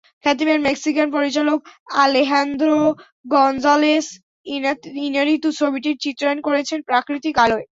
খ্যাতিমান মেক্সিকান পরিচালক Alejandro Gonzalez Inarritu ছবিটির চিত্রায়ণ করেছেন প্রাকৃতিক আলোয়।